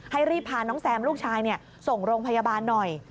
รีบพาน้องแซมลูกชายส่งโรงพยาบาลหน่อย